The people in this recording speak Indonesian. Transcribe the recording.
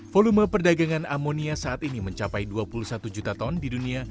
volume perdagangan amonia saat ini mencapai dua puluh satu juta ton di dunia